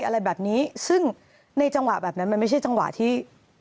อะไรแบบนี้ซึ่งในจังหวะแบบนั้นมันไม่ใช่จังหวะที่